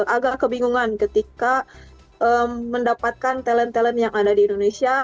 agak kebingungan ketika mendapatkan talent talent yang ada di indonesia